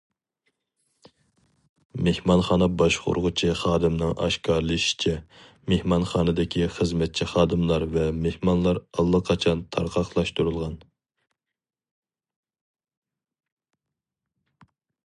مېھمانخانا باشقۇرغۇچى خادىمنىڭ ئاشكارىلىشىچە، مېھمانخانىدىكى خىزمەتچى خادىملار ۋە مېھمانلار ئاللىقاچان تارقاقلاشتۇرۇلغان.